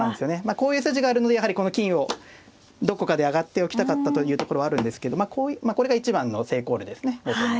こういう筋があるのでやはりこの金をどこかで上がっておきたかったというところはあるんですけどまあこれが一番の成功例ですね後手の。